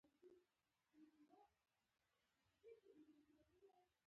په خاصه کندارۍ لهجه دا سروکی زمزمه شوی وای.